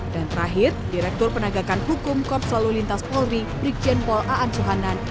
dan terakhir direktur penagakan hukum korps lalu lintas polri brikjen pol aan suhanan